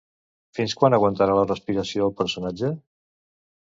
Fins quan aguantarà la respiració el personatge?